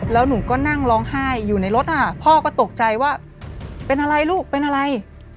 แล้วหนูก็นั่งร้องไห้อยู่ในรถพ่อก็ตกใจว่าเป็นอะไรลูกเป็นอะไร